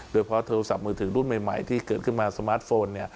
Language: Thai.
โดยเพราะโทรศัพท์มือถือรุ่นใหม่ที่เกิดขึ้นมาสมาร์ทโฟน